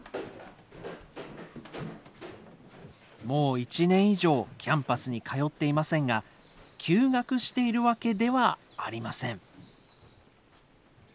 もう１年以上キャンパスに通っていませんが休学しているわけではありません。